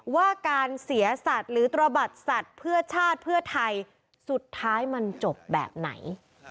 ว่าการเสียสัตว์หรือตระบัดสัตว์เพื่อชาติเพื่อไทยสุดท้ายมันจบแบบไหน